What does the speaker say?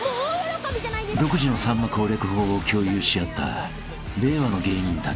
［独自のさんま攻略法を共有し合った令和の芸人たち］